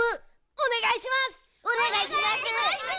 おねがいします！